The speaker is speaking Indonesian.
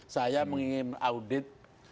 saya mengingin audit